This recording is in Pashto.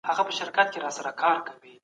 ټولنيز نورمونه لاره ښيي.